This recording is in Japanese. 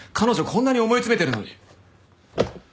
こんなに思い詰めてるのに。